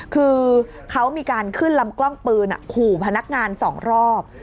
คือเขามีการขึ้นลำกล้องปืนขู่พนักงาน๒รอบ